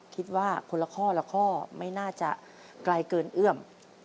คิดว่าคนละข้อละข้อไม่น่าจะไกลเกินเอื้อม